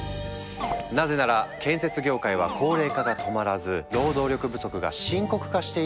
なぜなら建設業界は高齢化が止まらず労働力不足が深刻化しているからだ。